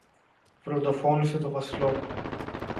βροντοφώνησε το Βασιλόπουλο.